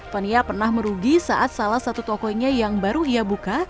fania pernah merugi saat salah satu tokonya yang baru ia buka